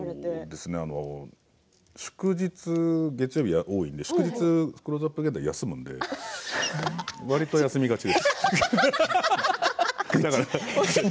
月曜日は祝日が多いので「クローズアップ現代」は休むので、わりと休みがちです。